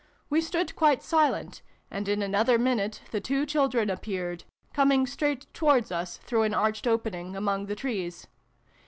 We stood quite silent, and in another minute the two children appeared, coming straight towards us through an arched opening among the trees.